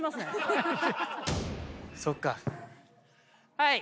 はい。